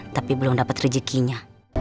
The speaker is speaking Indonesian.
tapi belum dapet rezekinya